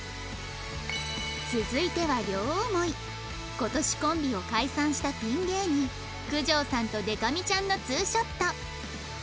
続いては両思い今年コンビを解散したピン芸人九条さんとでか美ちゃんのツーショット